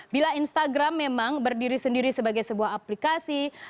bila instagram memang berdiri sendiri sebagai sebuah aplikasi